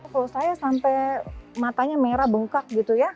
kalau saya sampai matanya merah bengkak gitu ya